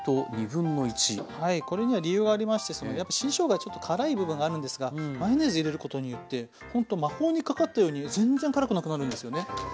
はいこれには理由がありましてやっぱ新しょうがちょっと辛い部分があるんですがマヨネーズ入れることによってほんと魔法にかかったように全然辛くなくなるんですよね。